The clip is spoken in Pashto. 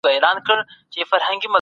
په دولتي ادارو کې ولې فساد کیږي؟